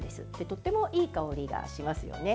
とてもいい香りがしますよね。